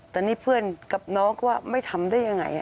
แต่นี่เพื่อนกับน้องก็ไม่ทำได้ยังไง